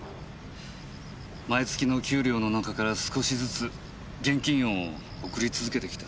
毎月の給料の中から少しずつ現金を送り続けてきた。